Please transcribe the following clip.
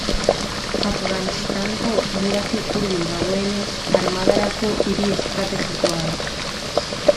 Afganistango mugatik hurbil dagoenez, armadarako hiri estrategikoa da.